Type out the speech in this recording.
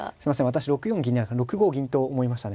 私６四銀じゃなくて６五銀と思いましたね。